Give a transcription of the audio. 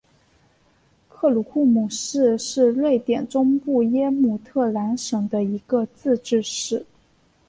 克鲁库姆市是瑞典中部耶姆特兰省的一个自治市。